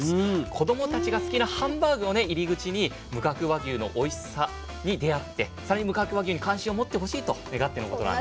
子どもたちが好きなハンバーグを入り口に無角和牛のおいしさに出会って無角和牛に関心を持ってほしいと願ってのことなんです。